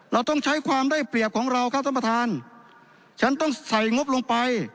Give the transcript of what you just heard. เราต้องใช้ความได้เปรียบของเราครับท่านประธานฉันต้องใส่งบลงไป